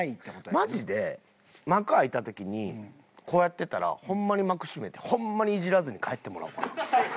マジで幕開いた時にこうやってたらホンマに幕閉めてホンマにイジらずに帰ってもらおうかな。